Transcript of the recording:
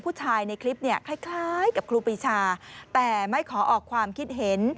แปลไม่ขอออกความคิดเห็น